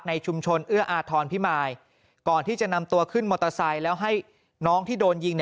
ชุมชนเอื้ออาทรพิมายก่อนที่จะนำตัวขึ้นมอเตอร์ไซค์แล้วให้น้องที่โดนยิง